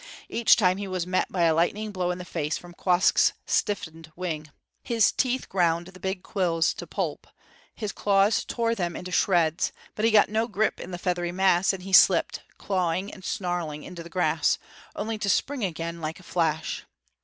Each time he was met by a lightning blow in the face from Quoskh's stiffened wing. His teeth ground the big quills to pulp; his claws tore them into shreds; but he got no grip in the feathery mass, and he slipped, clawing and snarling, into the grass, only to spring again like a flash.